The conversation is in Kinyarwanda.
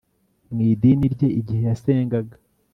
mu idini rye igihe yasengaga